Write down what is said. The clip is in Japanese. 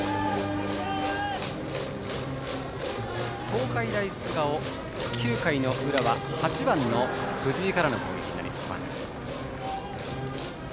東海大菅生、９回の裏は８番の藤井からの攻撃になります。